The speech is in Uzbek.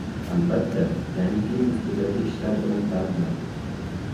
albatta, yangi film ustidagi ishlar bilan bandman.